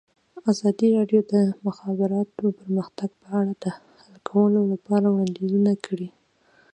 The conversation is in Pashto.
ازادي راډیو د د مخابراتو پرمختګ په اړه د حل کولو لپاره وړاندیزونه کړي.